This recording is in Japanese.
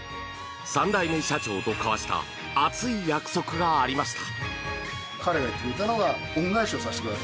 ３代目社長と交わした熱い約束がありました。